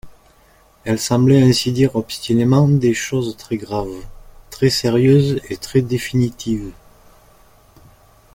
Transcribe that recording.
Elle semblait ainsi dire obstinément des choses très graves, très sérieuses et très définitives.